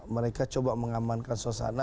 mereka coba mengamankan suasana